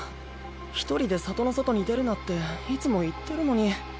一人で里の外に出るなっていつも言ってるのに。